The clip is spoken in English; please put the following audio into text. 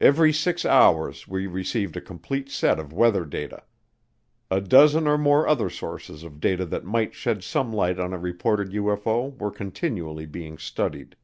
Every six hours we received a complete set of weather data. A dozen or more other sources of data that might shed some light on a reported UFO were continually being studied.